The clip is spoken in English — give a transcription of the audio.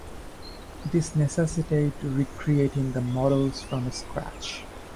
This necessitated recreating the models from scratch.